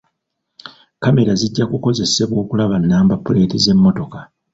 Kamera zijja kukozesebwa okulaba namba puleeti z'emmotoka.